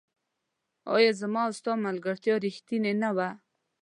آيا زما او ستا ملګرتيا ريښتيني نه وه